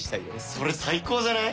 それ最高じゃない？